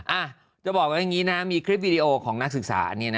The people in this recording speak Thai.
อ่ะจะบอกว่าอย่างนี้นะมีคลิปวีดีโอของนักศึกษาเนี่ยนะ